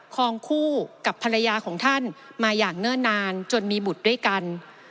คลองคู่กับภรรยาของท่านมาอย่างเนิ่นนานจนมีบุตรด้วยกัน